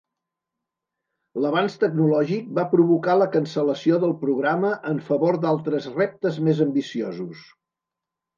L'avanç tecnològic va provocar la cancel·lació del programa en favor d'altres reptes més ambiciosos.